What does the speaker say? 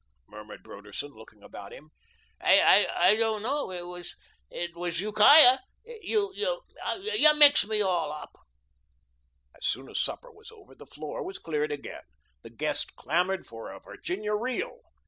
murmured Broderson, looking about him. "I I don't know. It was Ukiah. You you you mix me all up." As soon as supper was over, the floor was cleared again. The guests clamoured for a Virginia reel.